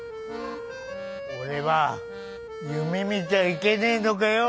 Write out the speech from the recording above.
俺は夢みちゃいけねえのかよ？